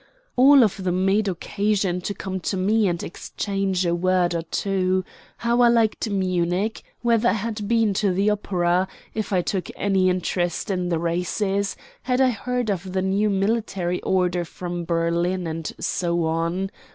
All of them made occasion to come to me and exchange a word or two: How I liked Munich, whether I had been to the opera, if I took any interest in the races, had I heard of the new military order from Berlin, and so on.